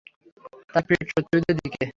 তার পিঠ শত্রুদের দিকে।